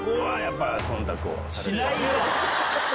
しないよ！